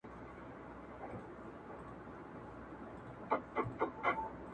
تا په پنځه لوېشتو وړيو کي سيتار وتړی~